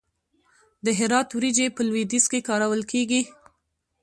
د هرات وریجې په لویدیځ کې کارول کیږي.